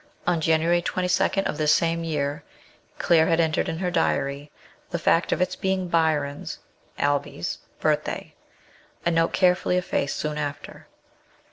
On January 22 of this same year Claire had entered in her diary the fact of its being Byron's (Albe's) birthday ; a note carefully effaced soon after.